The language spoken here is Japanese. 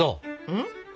うん？